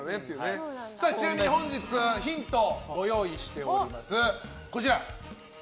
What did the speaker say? ちなみに本日はヒントご用意しております。